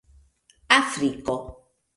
afriko